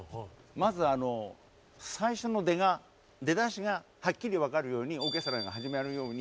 まず最初の出が出だしがはっきり分かるようにオーケストラが始められるように。